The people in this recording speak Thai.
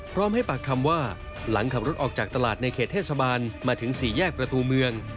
พร้อมให้ปากคำว่าหลังขับรถออกจากตลาดในเขตเทศบาลมาถึงสี่แยกประตูเมือง